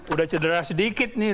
udah cedera sedikit nih